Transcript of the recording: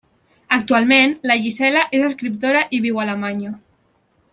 Actualment, la Gisela és escriptora i viu a Alemanya.